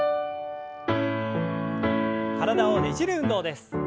体をねじる運動です。